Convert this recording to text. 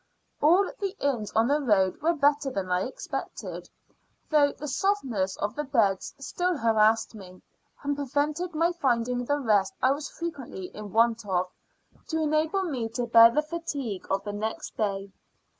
All the inns on the road were better than I expected, though the softness of the beds still harassed me, and prevented my finding the rest I was frequently in want of, to enable me to bear the fatigue of the next day.